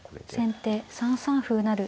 先手３三歩成。